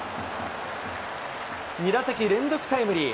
２打席連続タイムリー。